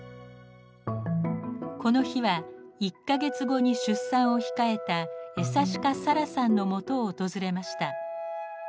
この日は１か月後に出産を控えたエサシカ・サラさんのもとを訪れました。